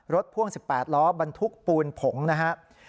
พ่วง๑๘ล้อบรรทุกปูนผงนะครับ